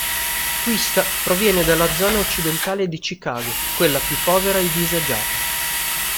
Twista proviene dalla zona occidentale di Chicago, quella più povera e disagiata.